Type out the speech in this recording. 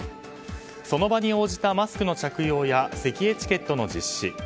その場に応じたマスクの着用やせきエチケットの実施